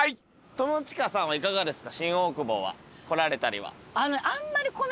名倉さんはいかがですか？